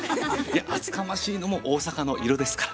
厚かましいのも大阪の色ですから。